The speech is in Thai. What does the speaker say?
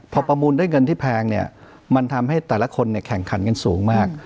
พอประมูลด้วยเงินที่แพงเนี่ยมันทำให้แต่ละคนเนี่ยแข่งขันกันสูงมาก